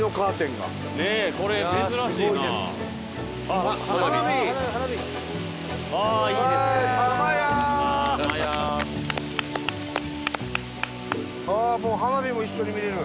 ああもう花火も一緒に見れる。